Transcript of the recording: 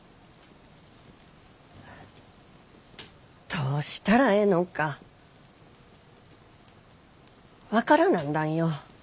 どうしたらええのんか分からなんだんよ。